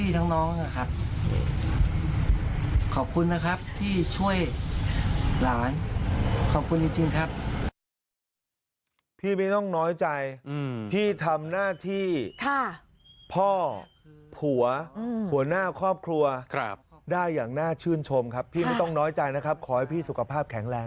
ทั้งพี่ทั้งน้องนะครับขอบคุณนะครับที่ช่วยหลาน